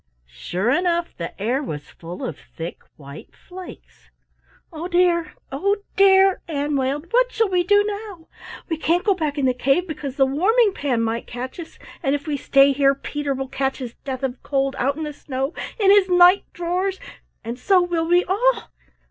Sure enough the air was full of thick white flakes. "Oh, dear, oh, dear!" Ann wailed, "what shall we do now? We can't go back in the cave because the Warming pan might catch us, and if we stay here Peter will catch his death of cold out in the snow in his night drawers and so will we all.